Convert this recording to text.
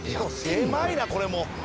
狭いなこれも。